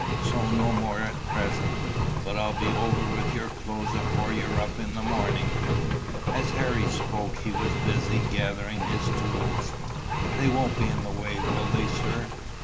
So no more at present; but I'll be over with your clothes afore you're up in the morning." As Harry spoke he was busy gathering his tools. "They won't be in the way, will they, sir?"